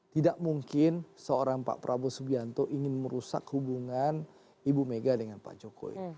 tidak mungkin seorang pak prabowo subianto ingin merusak hubungan ibu mega dengan pak jokowi